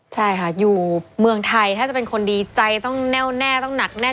ใช่ค่ะอยู่เมืองไทยถ้าจะเป็นคนดีใจต้องแน่วแน่ต้องหนักแน่